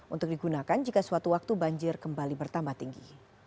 untuk digunakan jika suatu waktu banjir kembali bertambah tinggi